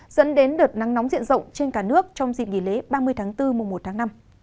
dẫn đến đợt nắng nóng diện rộng trên cả nước trong dịp nghỉ lễ ba mươi tháng bốn mùa một tháng năm